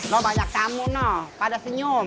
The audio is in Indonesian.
lo banyak tamu noh pada senyum